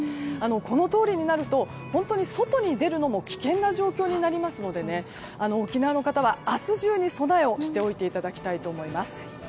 このとおりになると外に出るのも危険な状況になりますので沖縄の方は明日中に備えをしていただきたいと思います。